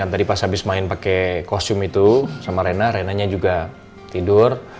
tadi pas habis main pake kostum itu sama rina rina nya juga tidur